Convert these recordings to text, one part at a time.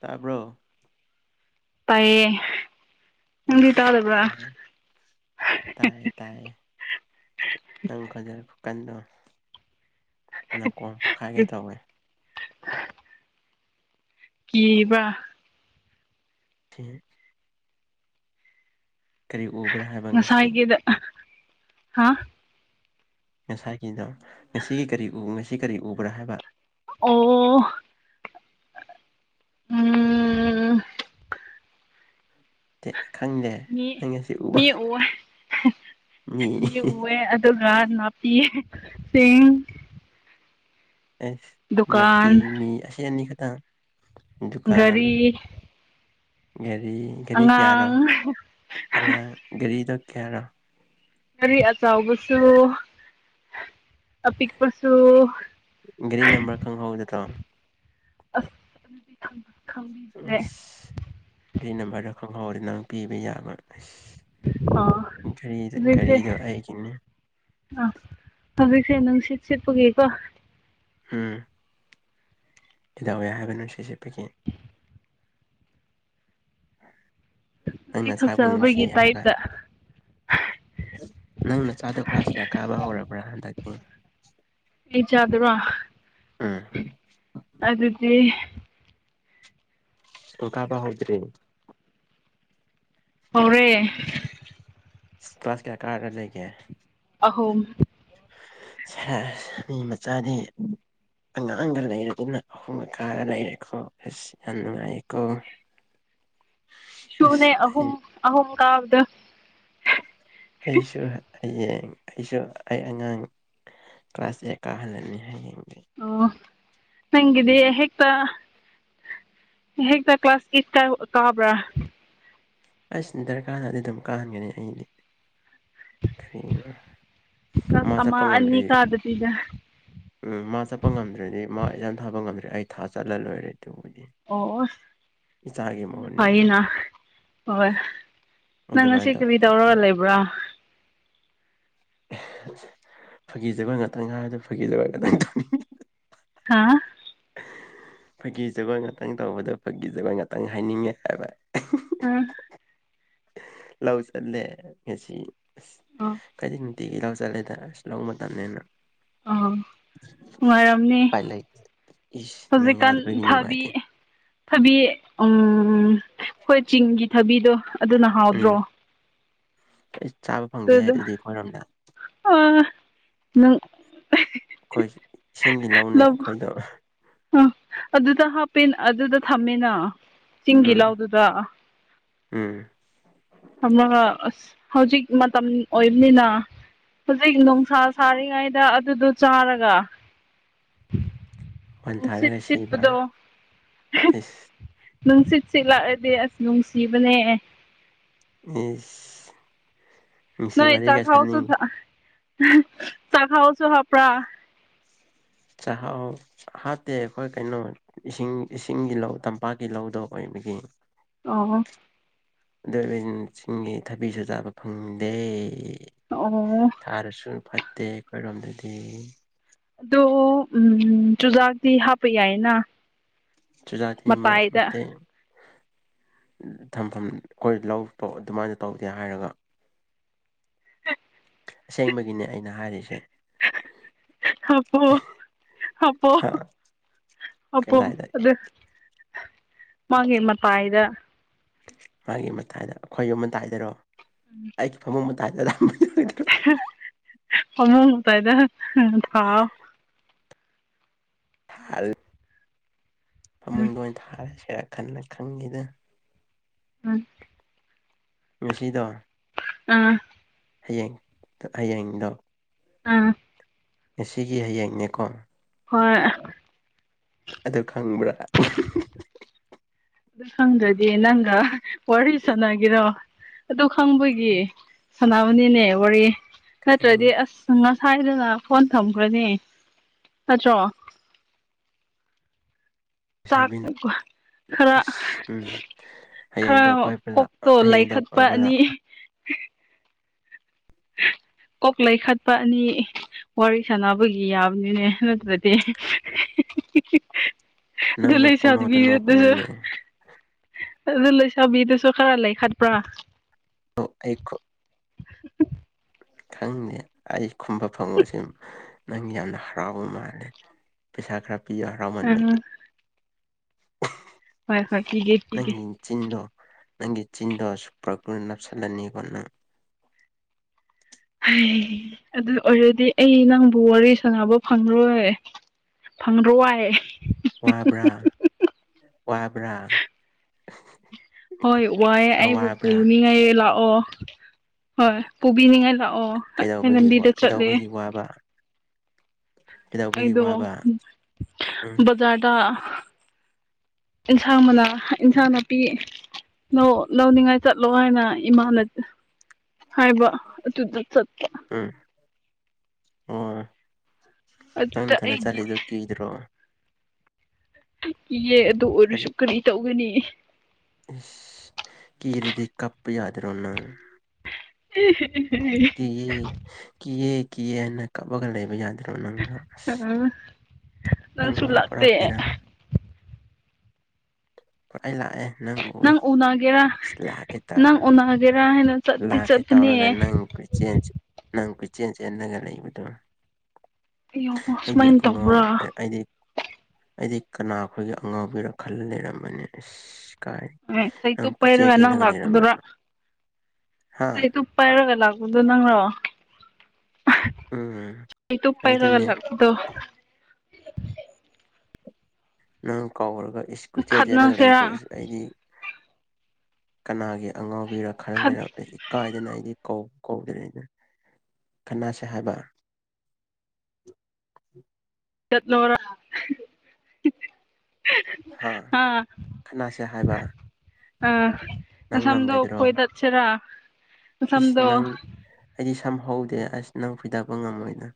ꯇꯥꯕ꯭ꯔꯣ ꯇꯥꯏꯌꯦ ꯅꯪꯗꯤ ꯇꯥꯗꯕ꯭ꯔꯥ ꯏꯁꯁ ꯇꯥꯏꯌꯦ ꯇꯥꯏꯌꯦ ꯇꯥꯏꯌꯦ ꯅꯪ ꯈꯣꯟꯖꯦꯜ ꯈꯨꯀꯟꯗꯣ ꯅꯥꯀꯣꯡ ꯄꯣꯛꯈꯥꯏꯒꯩ ꯇꯧꯋꯦ [unintelligible] ꯀꯤꯕ ꯍꯤ ꯀꯔꯤ ꯎꯕ꯭ꯔ ꯍꯥꯏ ꯉꯁꯥꯏꯒꯤꯗ ꯍꯥ ꯉꯁꯥꯏꯒꯤꯗꯣ ꯉꯁꯤꯒꯤ ꯀꯔꯤ ꯎ ꯉꯁꯤ ꯀꯔꯤ ꯎꯕ꯭ꯔ ꯍꯥꯏꯕ ꯑꯣ ꯎꯝ ꯇꯦ ꯈꯪꯗꯦ ꯃꯤ ꯅꯪ ꯉꯁꯤ ꯎꯕ ꯃꯤ ꯎꯌꯦ ꯃꯤ ꯎꯌꯦ ꯑꯗꯨꯒ ꯅꯥꯄꯤꯁꯤꯡ ꯑꯦꯁ ꯅꯥꯄꯤ ꯗꯨꯀꯥꯟ ꯃꯤ ꯑꯁꯤ ꯑꯅꯤ ꯈꯛꯇꯪ ꯗꯨꯀꯥꯟ ꯒꯥꯔꯤ ꯒꯥꯔꯤ ꯒꯥꯔꯤ ꯀꯌꯥꯔꯣ ꯑꯉꯥꯡ ꯑꯉꯥꯡ ꯒꯥꯔꯤꯗꯣ ꯀꯌꯥꯔꯣ ꯒꯥꯔꯤ ꯑꯆꯧꯕꯁꯨ ꯑꯄꯤꯛꯄꯁꯨ ꯒꯥꯔꯤ ꯅꯝꯕꯔ ꯈꯪꯍꯧꯗ꯭ꯔꯣ ꯑꯁ ꯈꯪꯕꯤꯗ꯭ꯔꯦ ꯑꯁ ꯑꯩ ꯅꯝꯕꯔꯗ ꯈꯪꯍꯧꯔꯗꯤ ꯅꯪ ꯄꯤꯕ ꯌꯥꯕ ꯑꯁ ꯑꯥ ꯒꯥꯔꯤ ꯍꯧꯖꯤꯛꯁꯦ ꯒꯥꯔꯤꯗꯣ ꯑꯩꯒꯤꯅꯦ ꯍꯧꯖꯤꯛꯁꯦ ꯅꯨꯡꯁꯤꯠ ꯁꯤꯠꯄꯒꯤꯀꯣ ꯎꯝ ꯀꯩꯗꯧꯋꯦ ꯍꯥꯏꯕ ꯅꯨꯡꯁꯤꯠ ꯁꯤꯠꯄꯒꯤ ꯅꯪ ꯅꯨꯄꯤ ꯅꯆꯥꯕꯨ ꯅꯨꯡꯁꯤ ꯐꯖꯕꯒꯤ ꯍꯥꯏꯕ ꯇꯥꯏꯞꯇ ꯅꯪ ꯅꯆꯥꯗꯣ ꯀ꯭ꯂꯥꯁ ꯀꯌꯥ ꯀꯥꯕ ꯍꯧꯔꯕ꯭ꯔ ꯍꯟꯗꯛꯀꯤ ꯑꯩ ꯏꯆꯥꯗꯨꯔꯣ ꯎꯝ ꯑꯗꯨꯗꯤ ꯢꯁꯀ꯭ꯨꯜ ꯀꯥꯕ ꯍꯧꯗ꯭ꯔꯤ ꯍꯧꯔꯦ ꯀꯂ꯭ꯥꯁ ꯀꯌꯥ ꯀꯥꯔꯦ ꯑꯗꯨꯗꯤ ꯑꯍꯨꯝ ꯁꯦꯁ ꯃꯤ ꯃꯆꯥꯗꯤ ꯑꯉꯥꯡꯒ ꯂꯩꯔꯗꯅ ꯑꯍꯨꯝꯒ ꯀꯥꯔ ꯂꯩꯔꯦꯀꯣ ꯑꯁ ꯌꯥꯝ ꯅꯨꯡꯉꯥꯏꯌꯦꯀꯣ ꯏꯁꯨꯅꯦ ꯑꯁ ꯑꯍꯨꯝ ꯑꯩ ꯑꯍꯨꯝ ꯀꯥꯕꯗꯣ ꯑꯩꯁꯨ ꯍꯌꯦꯡ ꯑꯩꯁꯨ ꯑꯩ ꯑꯉꯥꯡ ꯀ꯭ꯂꯥꯁ ꯑꯦꯠ ꯀꯥꯍꯜꯂꯅꯤ ꯍꯌꯦꯡꯗꯤ ꯑꯣ ꯅꯪꯒꯤꯗꯤ ꯍꯦꯛꯇ ꯍꯦꯛꯇ ꯀ꯭ꯂꯥꯁ ꯑꯦꯠ ꯀꯥꯕ꯭ꯔ ꯑꯩꯁ ꯗꯔꯀꯥꯔ ꯇꯥꯗꯦ ꯑꯗꯨꯝ ꯀꯥꯍꯟꯒꯅꯤ ꯑꯩꯗꯤ ꯀꯔꯤꯅꯣ ꯀ꯭ꯂꯥꯁ ꯃꯥ ꯆꯠꯄ ꯑꯃ ꯑꯅꯤ ꯉꯝꯗ꯭ꯔꯤ ꯀꯥꯗꯕꯤꯗ ꯎꯝ ꯃꯥ ꯆꯠꯄ ꯉꯝꯗ꯭ꯔꯗꯤ ꯃꯥ ꯑꯦꯛꯖꯥꯝ ꯊꯥꯕ ꯉꯝꯗ꯭ꯔꯗꯤ ꯑꯩ ꯊꯥ ꯆꯠꯂ ꯂꯣꯏꯔꯦ ꯑꯗꯨꯕꯨꯗꯤ ꯑꯣ ꯑꯣ ꯏꯆꯥꯒꯤ ꯑꯁꯤꯅ ꯃꯍꯨꯠꯅꯤꯅ ꯐꯩꯌꯦꯅ ꯍꯣꯏ ꯅꯪ ꯑꯗꯨꯃꯥꯏꯅ ꯉꯁꯤ ꯀꯔꯤ ꯇꯧꯗꯕꯅꯤꯅ ꯇꯧꯔꯒ ꯂꯩꯕ꯭ꯔ ꯐꯥꯒꯤ ꯖꯨꯒꯥꯏ ꯉꯥꯛꯇꯪ ꯉꯥꯡꯉꯖꯨ ꯐꯥꯒꯤ ꯖꯨꯒꯥꯏ ꯈꯇꯪ ꯇꯧꯅꯤꯡꯉꯤ ꯍꯥꯥ ꯐꯥꯒꯤ ꯖꯨꯒꯥꯏ ꯉꯥꯛꯇꯪ ꯇꯧꯕꯗꯣ ꯐꯥꯒꯤ ꯖꯨꯒꯥꯏ ꯉꯥꯛꯇꯪ ꯍꯥꯏꯅꯤꯡꯉꯦ ꯍꯥꯏꯕ ꯑꯥ ꯂꯧ ꯆꯠꯂꯦ ꯉꯁꯤ ꯑꯥ ꯑꯩꯗꯤ ꯅꯨꯡꯇꯤꯒꯤ ꯂꯧ ꯆꯠꯂꯦꯗ ꯑꯁ ꯂꯧ ꯃꯇꯝꯅꯤꯅ ꯑꯥ ꯅꯨꯡꯉꯥꯏꯔꯝꯅꯤ ꯎꯄꯥꯏ ꯂꯩ ꯏꯁ ꯅꯪ ꯍꯨꯖꯤꯛꯀꯥꯟ ꯌꯥꯎꯗꯕꯒꯤ ꯊꯥꯕꯤ ꯅꯨꯡꯉꯥꯏꯇꯦ ꯊꯕꯤ ꯎꯝ ꯈꯣꯏ ꯆꯤꯡꯒꯤ ꯊꯕꯤꯗꯣ ꯑꯗꯨꯅ ꯍꯥꯎꯗ꯭ꯔꯣ ꯈꯦꯠꯂꯤꯁ ꯆꯥꯕ ꯐꯪꯗꯦꯍꯦ ꯑꯗꯨꯗꯣ ꯑꯗꯨꯗꯤ ꯑꯩꯈꯣꯏꯔꯣꯝꯗ ꯑꯥ ꯅꯪ ꯈꯦꯍꯦ ꯈꯣꯏ ꯁꯤꯡꯒꯤ ꯂꯧꯅꯦ ꯑꯩꯈꯣꯏꯗꯣ ꯎꯝ ꯑꯗꯨꯗ ꯍꯥꯞꯄꯦꯟ ꯑꯗꯨꯗ ꯊꯝꯃꯦꯅ ꯆꯤꯡꯒꯤ ꯎꯝ ꯂꯧꯗꯨꯗ ꯎꯝ ꯊꯝꯃꯒꯥ ꯑꯁ ꯍꯧꯖꯤꯛ ꯃꯇꯝ ꯑꯣꯏꯅꯤꯅ ꯍꯧꯖꯤꯛ ꯅꯨꯡꯁꯥ ꯁꯥꯔꯤꯉꯩꯗ ꯑꯗꯨꯗꯣ ꯆꯥꯔꯒ ꯅꯨꯡꯁꯤꯠ ꯋꯥꯟꯊꯥꯔꯒ ꯁꯤꯕ ꯁꯤꯠꯄꯗꯣ ꯍꯦ ꯏꯁ ꯅꯨꯡꯁꯤꯠ ꯁꯤꯠꯂꯛꯑꯗꯤ ꯑꯁ ꯅꯨꯡꯁꯤꯕꯅꯦ ꯑꯦ ꯏꯁ ꯅꯨꯡꯁꯤ ꯋꯥꯔꯤꯒ ꯁꯥꯅꯤꯡ ꯍꯦ ꯆꯥꯛꯍꯥꯎꯁꯨ ꯍꯥꯞꯄ꯭ꯔꯥ ꯆꯥꯛꯍꯥꯎ ꯍꯥꯞꯇꯦ ꯈꯣꯏ ꯀꯩꯅꯣ ꯏꯁꯤꯡ ꯏꯁꯤꯡꯒꯤ ꯂꯧ ꯇꯝꯄꯥꯛꯀꯤ ꯂꯧꯗꯣ ꯑꯣꯏꯕꯒꯤ ꯑꯣ ꯑꯗꯨ ꯂꯤꯡ ꯁꯤꯡꯒꯤ ꯊꯕꯤꯁꯨ ꯆꯥꯕ ꯐꯪꯗꯦ ꯑꯣ ꯊꯥꯔꯁꯨ ꯐꯠꯇꯦ ꯑꯩꯈꯣꯏꯔꯣꯝꯗꯗꯤ ꯗꯨ ꯎꯝ ꯆꯨꯖꯥꯛꯇꯤ ꯍꯥꯞꯄ ꯌꯥꯏꯌꯦꯅ ꯆꯨꯖꯥꯛꯇꯤ ꯃꯠꯃꯇꯦ ꯊꯝꯐꯝ ꯈꯣꯏ ꯂꯧ ꯗꯣ ꯑꯗꯨꯃꯥꯏꯅ ꯇꯧꯗꯦ ꯍꯥꯏꯔꯒ ꯁꯦꯡꯕꯒꯤꯅꯦ ꯑꯩꯅ ꯍꯥꯏꯔꯤꯁꯦ ꯍꯥꯞꯄꯣ ꯍꯥꯞꯄꯣ ꯍꯥꯞꯄꯣ ꯀꯗꯥꯏꯗ ꯑꯗꯨ ꯃꯥꯒꯤ ꯃꯇꯥꯏꯗ ꯃꯥꯒꯤ ꯃꯇꯥꯏꯗ ꯑꯩꯈꯣꯏ ꯌꯨꯝ ꯃꯇꯥꯏꯗꯔꯣ ꯑꯩꯒꯤ ꯐꯃꯨꯡ ꯃꯇꯥꯏꯗꯔꯥ [unintelligible] ꯐꯃꯨꯡ ꯃꯇꯥꯏꯗ ꯍꯥ ꯍ-ꯊꯥꯎ ꯊꯥ - ꯏ ꯎꯝ ꯐꯃꯨꯡꯗ ꯑꯣꯏꯅ ꯊꯥꯔꯁꯤꯔ ꯈꯟꯅ ꯈꯪꯉꯤꯗ ꯎꯝ ꯉꯁꯤꯗꯣ ꯑꯥ ꯍꯌꯦꯡ ꯇꯣ ꯍꯌꯦꯡꯗꯣ ꯑꯥ ꯉꯁꯤꯒꯤ ꯍꯌꯦꯡꯅꯦꯀꯣ ꯍꯣꯏ ꯑꯗꯨ ꯈꯪꯕ꯭ꯔꯥ ꯈꯪꯗꯦꯠ ꯑꯦ ꯅꯪꯒ ꯋꯥꯔꯤ ꯁꯥꯟꯅꯒꯦꯔꯣ ꯑꯗꯨ ꯈꯪꯕꯒꯤ ꯁꯅꯥ ꯃꯅꯤꯅꯦ ꯋꯥꯔꯤ ꯅꯠꯇ꯭ꯔꯗꯤ ꯎꯝ ꯑꯁ ꯉꯁꯥꯏꯗꯅ ꯐꯣꯟ ꯊꯝꯈ꯭ꯔꯅꯦ ꯅꯠꯇ꯭ꯔꯣ ꯆꯥꯛ ꯂꯩꯁꯥꯕꯤꯅ ꯀꯨꯍꯥ ꯈꯔ ꯑꯁ ꯎꯝ ꯈꯔ ꯍꯌꯦꯡꯗꯣ ꯀꯣꯏꯕ ꯂꯥꯛꯑꯣ ꯀꯣꯛꯇꯣ ꯍꯌꯦꯡꯗꯣ ꯂꯩꯈꯠꯄ ꯀꯣꯏꯕ ꯑꯅꯤ ꯂꯥꯛꯑꯣ ꯀꯣꯛ ꯂꯩꯈꯠꯄ ꯑꯅꯤ ꯋꯥꯔꯤ ꯁꯥꯟꯅꯕꯒꯤ ꯌꯥꯕꯅꯤꯅꯦ ꯅꯠꯇ꯭ꯔ ꯗꯦ ꯍꯦ ꯍꯤ ꯍꯤ ꯍꯤ ꯗ ꯅꯪꯗꯣ ꯄꯨꯡꯅꯣꯛꯇ ꯂꯩꯩꯁꯥꯕꯤꯗꯁꯨ ꯅꯣꯛꯀꯅꯨꯅꯦ ꯑꯗꯨ ꯂꯩꯁꯥꯕꯤꯗꯨꯁꯨ ꯈꯔ ꯂꯩꯈꯠꯄ꯭ꯔꯥ ꯑꯣ ꯑꯩ ꯈꯣ [unintelligible] ꯈꯪꯗꯦ ꯑꯩ ꯀꯨꯝꯕ ꯐꯪꯉꯣꯢꯁꯦ ꯅꯪ ꯌꯥꯝꯅ ꯍꯔꯥꯎꯕ ꯃꯥꯜꯂꯦ ꯄꯩꯁꯥ ꯈꯔ ꯄꯤꯌ ꯎꯝ ꯍꯔꯥꯎꯃꯟꯕꯒꯤ [unintelligible] ꯍꯣꯢ ꯍꯣꯢ ꯄꯤꯒꯦ ꯄꯤꯒꯦ ꯅꯪꯒꯤ ꯆꯤꯟꯗꯣ ꯅꯪꯒꯤ ꯆꯤꯟꯗꯣ ꯁꯨꯄꯔꯒ꯭ꯂꯨꯅ ꯅꯞꯁꯤꯜꯂꯅꯤꯕ ꯅꯪ ꯍꯩ ꯑꯗꯨ ꯑꯣꯢꯔꯗꯤ ꯑꯩ ꯅꯪꯕꯨ ꯋꯥꯔꯤ ꯁꯥꯟꯅꯕ ꯐꯪꯉꯔꯣꯢ ꯐꯪꯗ꯭ꯔꯣꯋꯥꯢ ꯋꯥꯕ꯭ꯔꯥ ꯋꯥꯕ꯭ꯔꯥ [unintelligible] ꯍꯣꯢ ꯋꯥꯢꯑꯦ ꯑꯩꯕꯨ ꯑꯋꯥꯕ꯭ꯔꯥ ꯄꯨꯅꯤꯡꯉꯥꯢ ꯂꯥꯛꯑꯣ ꯍꯣꯢ ꯄꯨꯕꯤꯅꯤꯡꯉꯥꯢ ꯂꯥꯛꯑꯣ ꯑꯩ ꯀꯩꯗꯧꯕꯒꯤ ꯋꯥ ꯂꯝꯕꯤꯗ ꯆꯠꯂꯦ ꯀꯩꯗꯧꯕꯒꯤ ꯋꯥꯕ ꯀꯩꯗꯧꯕꯒꯤ ꯑꯩꯗ‌‌ꯣ ꯋꯥꯕ ꯎꯝ ꯕꯛ ꯕꯖꯥꯔꯗ ꯏꯟꯁꯥꯡ ꯃꯅꯥ ꯏꯟꯁꯥꯡ ꯅꯥꯄꯤ ꯂ‌ꯣ ꯂꯧꯅꯤꯡꯉꯥꯢ ꯆꯠꯂꯣ ꯍꯥꯢꯅ ꯏꯃꯥꯅ ꯍꯥꯢꯕ ꯑꯗꯨꯗ‌ꯣ ꯆꯠꯄ ꯎꯝ ꯑꯣ ꯅꯪ ꯑꯗꯨꯗ ꯅꯊꯟꯗ ꯑꯩꯒꯤ ꯆꯠꯂꯤꯗꯣ ꯀꯤꯗ꯭ꯔꯣ ꯀꯤꯌꯦ ꯑꯗꯨ ꯑꯣꯢꯔꯁꯨ ꯀꯔꯤ ꯇꯧꯒꯅꯤ ꯏꯁ ꯀꯤꯔꯗꯤ ꯀꯞꯄ ꯌꯥꯗꯔꯣ ꯅꯪ [unintelligible] ꯀꯤꯌꯦ ꯀꯤꯌꯦ ꯀꯤꯌꯦꯅ ꯀꯛꯄꯒ ꯂꯩꯕ ꯌꯥ [unintelligible] ꯅꯪꯁꯨ ꯅꯪꯒꯤꯖꯦ ꯄꯨꯔꯥ ꯂꯥꯛꯇꯦ ꯕ‌ꯦꯔꯥꯅꯦ ꯑꯩ ꯂꯥꯛꯑꯦ ꯅꯪ ꯎꯋꯦ ꯂꯥꯛꯀꯦ ꯇꯧꯔ ꯅꯪ ꯎꯅꯒꯦꯔꯥ ꯍꯥꯏꯅ ꯆꯠꯇꯤ ꯂꯥꯛꯀꯦ ꯇꯧꯔꯒ ꯆꯠꯄꯅꯦ ꯅꯪ ꯆꯦꯟ ꯅꯪ ꯀ‌ꯣꯢꯆꯦꯟ ꯆꯦꯟꯂꯒ ꯂꯩꯕꯗꯣ ꯌꯦꯡꯉꯣ ꯑꯩꯗꯤ ꯁꯨꯃꯥꯏꯅ ꯑꯉꯧꯎ ꯇꯧꯕ꯭ꯔꯥ ꯑꯩꯗꯤ ꯑꯩꯗꯤ ꯀꯅꯥ ꯈꯣꯢꯒꯤ ꯑꯉꯥꯎꯕꯤꯔ ꯈꯜꯂ ꯂꯩꯔꯝꯕꯅꯤ ꯑꯁ ꯀꯥꯏ ꯑꯦ ꯅꯪ ꯆꯩꯇꯨꯞ ꯀꯣꯏꯆꯦꯟ ꯄꯩꯔꯒ ꯅꯪ ꯆꯦꯜꯂꯒ ꯂꯥꯛꯄꯗꯨꯔꯥ ꯂꯩꯔꯝꯕꯗꯣ ꯍꯥ ꯖ꯫ꯆꯩꯇꯨꯞ ꯄꯥꯢꯔꯒ ꯂꯥꯛꯄꯗꯨ ꯅꯪꯔꯣ [unintelligible] ꯎꯝ ꯆꯩꯇꯨꯞ ꯄꯥꯢꯔꯒ ꯑꯩꯗꯤꯅꯦ ꯂꯛꯄꯗꯣ ꯅꯪ ꯀꯧꯔꯒ ꯏꯁ ꯀꯨꯢꯆꯦꯟ ꯆꯦꯜꯂꯒ ꯈꯠꯅꯁꯤꯔꯥ ꯂꯩꯗ‍ꯣ ꯑꯩꯁ ꯑꯩꯗꯤ ꯀꯅꯥꯒꯤ ꯑꯉꯥꯎꯕꯤꯔ ꯈꯔ ꯈꯠ ꯂꯩꯔꯝ ꯀꯥꯢꯗꯅ ꯑꯩꯗꯤ ꯀꯧ ꯀꯧꯗꯔꯦ ꯀꯅꯥꯁꯦ ꯍꯥꯢꯕ ꯆꯠꯂꯣꯔ [unintelligible] ꯍꯥ ꯐꯨꯅꯥꯁꯦ ꯍꯥꯢꯕ ꯑ ꯅꯁꯝꯗꯣ ꯐꯣꯢꯗꯠ ꯁꯤꯔꯥ ꯏꯁ ꯅꯪ ꯑꯩꯗꯤ ꯁꯝ ꯍꯧꯗꯦ ꯑꯁ ꯅꯪ ꯐꯣꯢꯗꯕ ꯉꯝꯃꯣꯢꯅ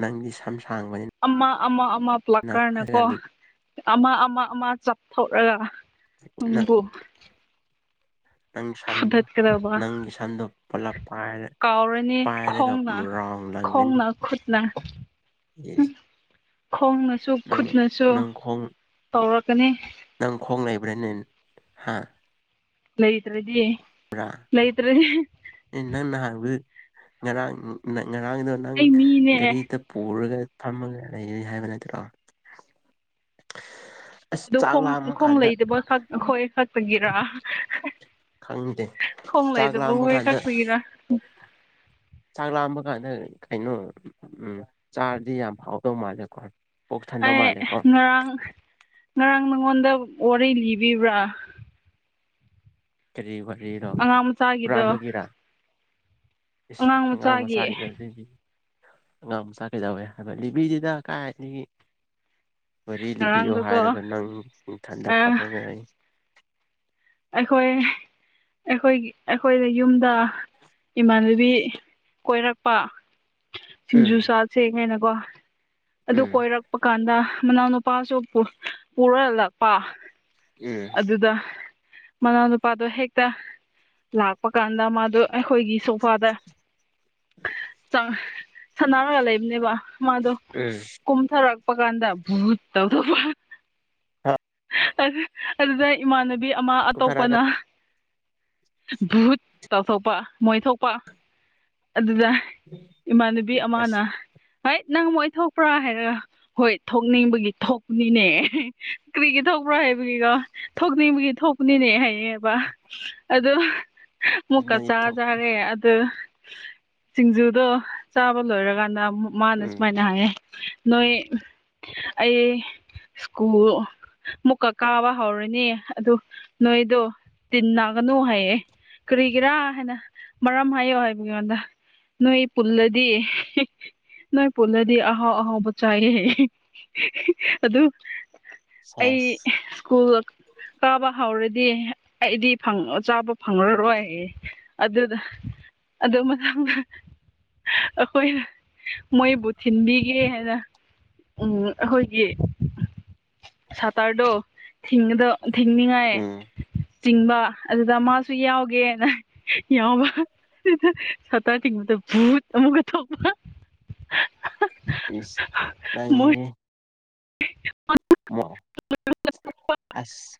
ꯅꯪꯗꯤ ꯁꯝ ꯁꯥꯡꯕꯅꯤꯅ ꯑꯃ ꯑꯃ ꯑꯃ ꯄ꯭ꯂꯛꯀꯥꯔꯅꯀꯣ ꯍꯥꯏꯔꯀꯥꯟꯗ ꯑꯃ ꯑꯃ ꯑꯃ ꯆꯥꯞꯊꯣꯛꯔꯒ ꯅꯪ ꯎꯝꯕꯨ ꯅꯪ ꯁꯝꯗꯣ ꯐꯨꯗꯠꯀꯗꯕ ꯅꯪꯒꯤ ꯁꯝꯗꯣ ꯄꯨꯂꯞ ꯄꯥꯏꯔ ꯀꯥꯎꯔꯣꯢꯅꯦ ꯄꯥꯏꯔꯒ ꯈꯣꯡ ꯔꯥꯎꯟ ꯂꯪꯒꯅꯤ ꯈꯣꯡꯅ ꯈꯨꯠꯅ ꯎꯝ ꯏꯁ ꯈꯣꯡꯅꯁꯨ ꯅꯪ ꯈꯨꯠꯅꯁꯨ ꯅꯪ ꯈꯣꯡ ꯇꯧꯔꯛꯀꯅꯤ ꯅꯪ ꯈꯣꯡ ꯂꯩꯕ꯭ꯔꯥꯅꯦ ꯍꯥ ꯂꯩꯇ꯭ꯔꯗꯤ ꯂꯩꯇ꯭ꯔꯗꯤ ꯏ ꯅꯪ ꯅꯍꯥꯟ ꯉꯔꯥꯡ ꯉꯔꯥꯡꯗꯣ ꯅꯪ ꯑꯩ ꯃꯤꯅꯦ ꯒꯥꯔꯤꯗ ꯄꯨꯔꯒꯅꯦ ꯐꯝꯃꯒ ꯂꯩꯔꯦ ꯍꯥꯏꯕ ꯅꯠꯇ꯭ꯔꯣ ꯑꯁ ꯑꯗꯨ ꯆꯥꯛ ꯈꯣꯡ ꯂꯥꯝꯃ ꯈꯣꯡ ꯀꯥꯟꯗ ꯂꯩꯇꯕꯣꯏ ꯈꯛ ꯍꯣꯏ ꯈꯛꯇꯒꯤꯔꯥ ꯈꯪꯗꯦ ꯆꯥꯛ ꯈꯣꯡꯂꯩꯗꯕ ꯂꯥꯝꯕ ꯈꯣꯏ ꯀꯥꯟꯗ ꯈꯛꯇꯒꯤꯔꯥ ꯆꯥꯛ ꯂꯥꯝꯕ ꯀꯥꯟꯗ ꯀꯩꯅꯣ ꯎꯝ ꯆꯥꯔꯗꯤ ꯌꯥꯝ ꯍꯥꯎꯗꯧ ꯃꯥꯜꯂꯦꯀꯣ ꯄꯣꯛ ꯊꯟꯗꯧ ꯑꯩ ꯃꯥꯜꯂꯦꯀꯣ ꯉꯔꯥꯡ ꯉꯔꯥꯡ ꯅꯉꯣꯟꯗ ꯋꯥꯔꯤ ꯂꯤꯕꯤꯕ꯭ꯔꯥ ꯀꯔꯤ ꯋꯥꯔꯤꯅꯣ ꯑꯉꯥꯡ ꯃꯆꯥꯒꯤꯗꯣ ꯍꯨꯔꯥꯟꯕꯒꯤꯔꯥ ꯑꯉꯥꯡ ꯃꯆꯥꯒꯤꯗꯣꯂꯤꯕꯤ ꯑꯉꯥꯡ ꯃꯆꯥ ꯀꯩꯗꯧꯋꯦ ꯍꯥꯏꯕ ꯂꯤꯕꯤꯗꯦꯗꯥ ꯀꯥꯏꯗꯒꯤ ꯋꯥꯔꯤ ꯂꯤꯕꯤꯌꯣ ꯉꯔꯥꯡꯗꯨꯀꯣ ꯍꯥꯏꯔꯒ ꯅꯪ ꯅꯊꯟꯗ [unintelligible] ꯑꯩꯈꯣꯏ ꯑꯩꯈꯣꯏꯒꯤ ꯑꯩꯈꯣꯏꯗ ꯌꯨꯝꯗ ꯏꯃꯥꯟꯅꯕꯤ ꯀꯣꯏꯔꯛꯄ ꯎꯝ ꯁꯤꯡꯖꯨ ꯆꯥꯁꯦꯒꯥꯏꯅꯀꯣ ꯑꯗꯨ ꯎꯝ ꯀꯣꯏꯔꯛ ꯄ ꯀꯥꯟꯗ ꯃꯅꯥꯎꯅꯨꯄꯥꯁꯨ ꯄꯨ ꯄꯨꯔꯒ ꯂꯥꯛꯄ ꯎꯝ ꯑꯗꯨꯗ ꯃꯅꯥꯎꯅꯨꯄꯥꯗꯣ ꯍꯦꯛꯇ ꯂꯥꯛꯄ ꯀꯥꯟꯗ ꯃꯥꯗꯣ ꯑꯩꯈꯣꯏꯒꯤ ꯁꯣꯐꯥꯗ ꯆꯪ ꯁꯥꯅꯔꯒ ꯂꯩꯕꯅꯦꯕ ꯃꯥꯗꯣ ꯎꯝ ꯀꯨꯨꯝꯊꯥꯔꯛ ꯄ ꯀꯥꯟꯗ ꯚꯨꯠ ꯇꯧꯗꯧꯕ ꯑꯗꯨꯗ ꯏꯃꯥꯟꯅꯕꯤ ꯑꯃ ꯀꯨꯝꯊꯔꯛꯑꯒ ꯑꯇꯣꯞꯄꯅ ꯚꯨꯠ ꯇꯧꯊꯣꯛꯄ ꯃꯣꯏ ꯊꯣꯛꯄ ꯑꯗꯨꯗ ꯏꯃꯥꯟꯅꯕꯤ ꯑꯁ ꯑꯃꯥꯅ ꯍꯩꯏꯠ ꯅꯪ ꯃꯣꯏ ꯊꯣꯛꯄ꯭ꯔꯥ ꯍꯥꯏꯔꯒ ꯍꯣꯏ ꯊꯣꯛꯅꯤꯡꯕꯒꯤ ꯊꯣꯛꯄꯅꯤꯅꯦ ꯀ꯭ꯔꯤꯒꯤ ꯊꯣꯛꯄ꯭ꯔ ꯍꯥꯏꯕ ꯑꯗꯨꯒꯤꯗꯣ ꯊꯣꯛꯅꯤꯡꯕꯒꯤ ꯊꯣꯛꯄꯅꯤꯅꯦ ꯍꯥꯏꯌꯦꯕ ꯑꯗꯨ ꯃꯨꯛꯀꯥ ꯅꯪꯗꯤ ꯆꯥꯖꯦ ꯊꯣꯛ ꯍꯥꯏꯔꯦ ꯑꯗꯨ ꯁꯤꯡꯖꯨꯗꯣ ꯆꯥꯕ ꯂꯣꯏꯔꯀꯒꯥꯟꯗ ꯑꯃꯨꯛ ꯃꯥꯅ ꯎꯝ ꯁꯨꯃꯥꯏꯅ ꯍꯥꯏꯌꯦ ꯅꯣꯏ ꯑꯩ ꯁ꯭ꯀꯨꯜ ꯃꯨꯛꯀ ꯀꯥꯕ ꯍꯧꯔꯅꯤ ꯑꯗꯨ ꯅꯣꯏꯗꯣ ꯇꯤꯟꯅꯒꯅꯨ ꯍꯥꯏꯌꯦ ꯀꯔꯤꯒꯤꯔꯥ ꯍꯥꯏꯅ ꯃꯔꯝ ꯍꯥꯏꯌꯣ ꯍꯥꯏꯕꯅꯦ ꯑꯩꯉꯣꯟꯗ ꯅꯣꯏ ꯄꯨꯜꯂꯗꯤ ꯅꯣꯏ ꯄꯨꯜꯂꯗꯤ ꯑꯍꯥꯎ ꯑꯍꯥꯎꯕ ꯆꯥꯏꯌꯦ ꯑꯗꯨ ꯑꯩ ꯁꯦꯁ ꯁ꯭ꯀꯨꯜ ꯀꯥꯕ ꯍꯧꯔꯗꯤ ꯑꯩꯗꯤ ꯐꯪ ꯆꯥꯕ ꯐꯪꯉꯔꯔꯣꯏꯌꯦ ꯑꯗꯨꯗ ꯑꯗꯨ ꯃꯅꯥꯎ ꯑꯈꯣꯏꯅ ꯃꯣꯏꯕꯨ ꯊꯤꯟꯕꯤꯒꯦ ꯍꯥꯏꯅ ꯎꯝ ꯑꯈꯣꯏꯒꯤ ꯁꯍꯔꯗꯣ ꯊꯤꯉꯤꯗꯣ ꯊꯤꯡꯅꯤꯉꯥꯏ ꯎꯝ ꯆꯤꯡꯕ ꯑꯗꯨꯗ ꯃꯥꯁꯨ ꯌꯥꯎꯒꯦꯅ ꯌꯥꯎꯕ ꯁꯇꯔ ꯆꯤꯡꯕꯗ ꯚꯨꯠ ꯑꯃꯨꯛꯀꯥ ꯊꯣꯛꯄ ꯏꯁ ꯃꯣꯏ ꯅꯪꯅꯤ [inaudible] [unintelligible] ꯑꯁ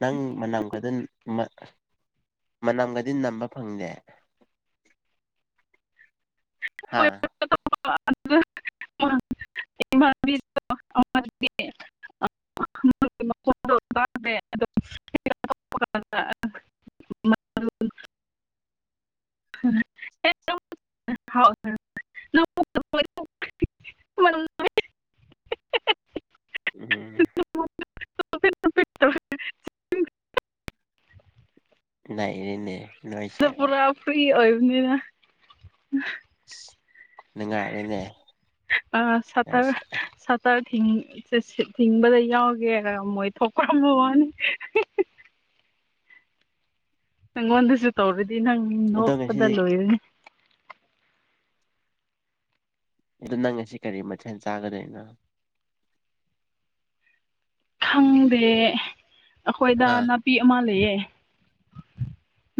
ꯅꯪ ꯃꯅꯝ ꯒꯗꯣ ꯃ ꯃꯅꯝꯒꯗꯤ ꯅꯝꯕ ꯐꯪꯗꯦ ꯍꯥꯥ [unintelligible] [inaudible] [inaudible] [inaudible] [inaudible] ꯎꯝ [inaudible] ꯅꯩꯔꯦꯅꯦ ꯅꯣꯏꯁ ꯗꯨꯄꯨꯔꯥ ꯐꯔꯤ ꯑꯣꯏꯕꯅꯤꯅ ꯅꯨꯡꯉꯥꯏꯔꯦꯅꯦ ꯑ ꯁꯇꯔ ꯅꯣꯏꯁꯦ ꯁ ꯆꯔ ꯊꯤꯡ ꯊꯤꯡꯕꯗ ꯌꯥꯎꯒꯦꯒ ꯃꯣꯏ ꯊꯣꯛꯈ꯭ꯔꯝꯕ ꯋꯥꯅꯤ ꯅꯪꯉꯣꯟꯗꯁꯨ ꯇꯧꯔꯗꯤ ꯅꯪ ꯑꯗꯣ ꯅꯣꯛꯄꯗ ꯉꯁꯤꯗꯤ ꯂꯣꯏꯔꯅꯤ ꯑꯗꯨ ꯅꯪ ꯉꯁꯤ ꯀꯔꯤ ꯃꯊꯦꯜ ꯆꯥꯒꯗꯣꯏꯅꯣ ꯈꯪꯗꯦ ꯑꯈꯣꯏꯗ ꯍꯥ ꯅꯥꯄꯤ ꯑꯃ ꯂꯩꯌꯦ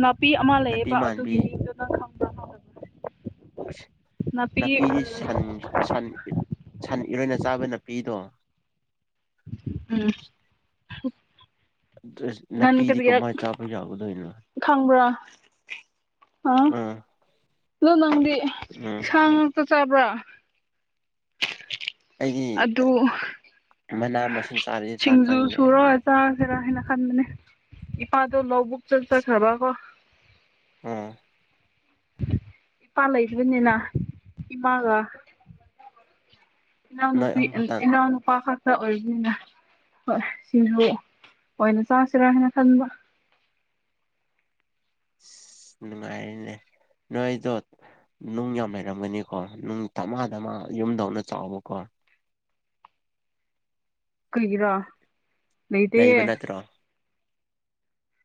ꯅꯥꯄꯤ ꯑꯃ ꯅꯥꯄꯤ ꯂꯩꯌꯦꯕ ꯑꯗꯨꯒꯤ ꯃꯥꯟꯕꯤ ꯃꯤꯡꯗꯨꯅ ꯈꯪꯕꯔ ꯑꯁ ꯅꯥꯄꯤꯗꯤ ꯁꯟ ꯁꯟ ꯁꯟ ꯏꯔꯣꯏꯅ ꯆꯥꯕ ꯅꯥꯄꯤꯗꯣ ꯎꯝ ꯗ꯭ꯔꯦꯁ ꯒꯟ ꯅꯥꯄꯤꯗꯤ ꯀꯔꯤꯌꯥꯠ ꯀꯃꯥꯏ ꯆꯥꯕ ꯌꯥꯒꯗꯣꯏꯅꯣ ꯈꯪꯕ꯭ꯔꯥ ꯑ ꯑꯥ ꯑꯗꯣ ꯅꯪꯗꯤ ꯎꯝ ꯁꯥ ꯉꯥꯛꯇ ꯆꯥꯕ꯭ꯔꯥ ꯑꯩꯗꯤ ꯑꯗꯨ ꯃꯅꯥ ꯃꯁꯤꯡ ꯆꯥꯔꯗꯤ ꯆꯥꯛ ꯁꯤꯡꯖꯨ ꯆꯪꯗꯦ ꯑꯩꯗꯤ ꯁꯨꯔꯒ ꯆꯥꯁꯤꯔꯥ ꯍꯥꯏꯅ ꯈꯟꯕꯅꯦ ꯏꯄꯥꯗꯣ ꯂꯧꯕꯨꯛ ꯎꯝ ꯏꯄꯥ ꯂꯩꯕꯅꯤꯅ ꯏꯃꯥꯒ ꯅꯣꯏ ꯏꯅꯥꯎꯅꯨꯄꯤ ꯑꯍꯨꯝ ꯑ ꯈꯛꯇꯪ ꯏꯅꯥꯅꯨꯄꯥ ꯈꯛ ꯇ ꯑꯣꯏꯕꯅꯤꯅ ꯍꯣꯏ ꯁꯤꯡꯖꯨ ꯑꯣꯏꯅ ꯆꯥꯁꯤꯔꯥ ꯍꯥꯏꯅ ꯈꯟꯕ ꯅꯨꯡꯉꯥꯏꯔꯤꯅꯦ ꯅꯣꯏꯗꯣ ꯅꯨꯡ ꯌꯥꯝ ꯂꯩꯔꯝꯒꯅꯤꯀꯣ ꯅꯨꯡ ꯊꯃꯥꯗꯃꯥ ꯌꯨꯝꯗꯧꯅ ꯆꯥꯎꯕꯀꯣ ꯀ꯭ꯔꯤꯒꯤꯔ ꯂꯩꯕ ꯅꯠꯇ꯭ꯔꯣ